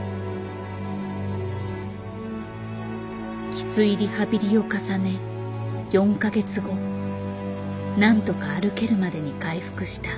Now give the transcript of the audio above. きついリハビリを重ね４か月後なんとか歩けるまでに回復した。